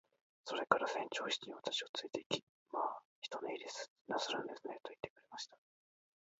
それから船長室に私をつれて行き、「まあ一寝入りしなさるんですね。」と言ってくれました。